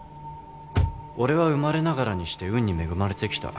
俺は生まれながらにして運に恵まれてきた。